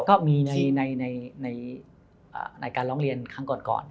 ก็มีในการร้องเรียนครั้งก่อน